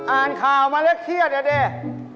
อ่านข่าวมาแล้วเครียดอ่ะดิ